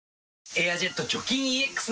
「エアジェット除菌ＥＸ」